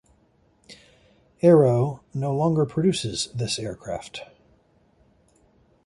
Aero no longer produces this aircraft.